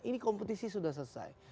ini kompetisi sudah selesai